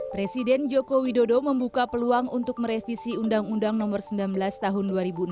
presiden joko widodo membuka peluang untuk merevisi undang undang nomor sembilan belas tahun dua ribu enam belas